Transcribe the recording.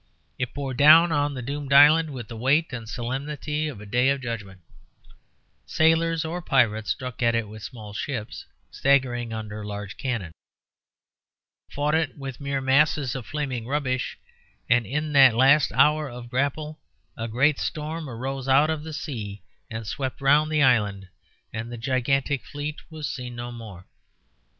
It bore down on the doomed island with the weight and solemnity of a day of judgment; sailors or pirates struck at it with small ships staggering under large cannon, fought it with mere masses of flaming rubbish, and in that last hour of grapple a great storm arose out of the sea and swept round the island, and the gigantic fleet was seen no more.